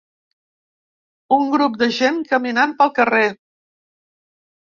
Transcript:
un grup de gent caminant pel carrer